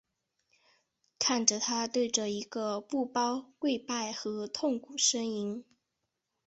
看着他对着一个布包跪拜和痛苦呻吟。